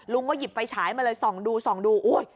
หยิบไฟฉายมาเลยส่องดูส่องดูอุ๊ย